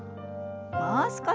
もう少し。